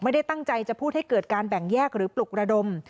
ไม่ได้ตั้งใจจะพูดให้เกิดการแบ่งแยกหรือปลุกระดม